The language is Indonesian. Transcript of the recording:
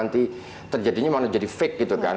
terjadinya malah jadi fake gitu kan